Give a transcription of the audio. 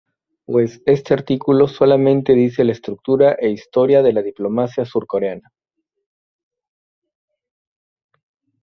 Pues este artículo solamente dice la estructura e historia de la diplomacia surcoreana.